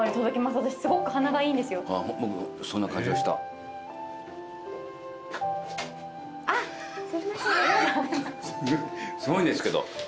すごいんですけど。